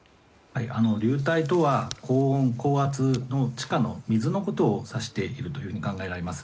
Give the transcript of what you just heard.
流体とは、高温、高圧の地下の水のことを指していると考えられます。